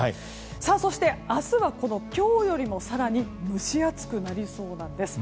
そして、明日は今日よりも更に蒸し暑くなりそうなんです。